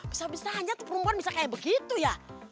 bisa bisanya tuh perempuan bisa kayak begitu ya